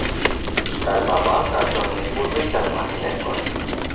তার বাবা তার জন্মের পূর্বেই তার মাকে ত্যাগ করেন।